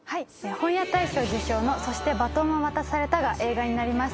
本屋大賞受賞の『そして、バトンは渡された』が映画になります。